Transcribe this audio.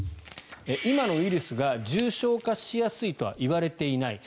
今のウイルスが重症化しやすいとは言われていない。